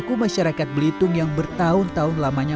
dan membuat masyarakat belitung yang bertahun tahun lamanya